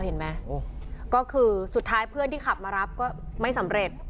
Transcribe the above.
เห็นไหมก็คือสุดท้ายเพื่อนที่ขับมารับก็ไม่สำเร็จ